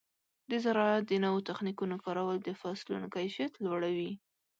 د زراعت د نوو تخنیکونو کارول د فصلونو کیفیت لوړوي.